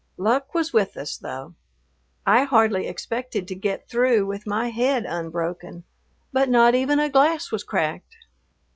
Luck was with us, though. I hardly expected to get through with my head unbroken, but not even a glass was cracked.